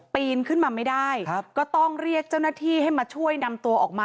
ปีนขึ้นมาไม่ได้ครับก็ต้องเรียกเจ้าหน้าที่ให้มาช่วยนำตัวออกมา